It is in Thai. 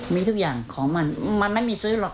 มีทุกอย่างของมันมันไม่มีซื้อหรอก